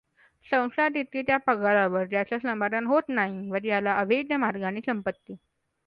संस्था देते त्या पगारावर ज्याचं समाधान होत नाही व ज्याला अवैध मागनेि संपत्ती.